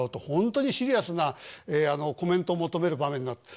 本当にシリアスなコメントを求める場面が。